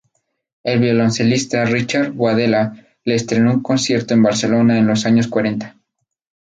El violoncelista Ricard Boadella le estrenó un concierto en Barcelona en los años cuarenta.